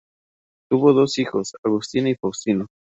Tuvo dos hijos: Agustina y Faustino.